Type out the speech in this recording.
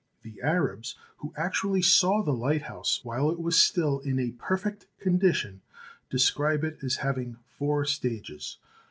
The Arabs, who actually saw the light house while it was still in a perfect condition, describe it as having four stages.